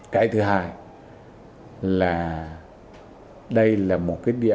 cái thứ hai là đây là một cái điểm